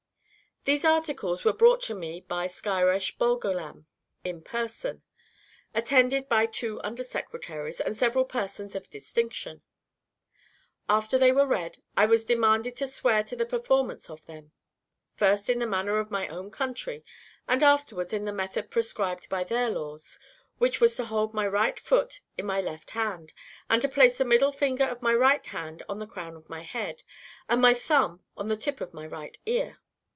These articles were brought to me by Skyresh Bolgolam in person, attended by two under secretaries, and several persons of distinction. After they were read, I was demanded to swear to the performance of them; first in the manner of my own country, and afterwards in the method prescribed by their laws, which was to hold my right foot in my left hand, and to place the middle finger of my right hand on the crown of my head, and my thumb on the tip of my right ear.